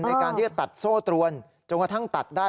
ในการที่จะตัดโซ่ตรวนจนกระทั่งตัดได้